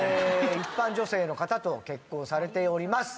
一般女性の方と結婚されております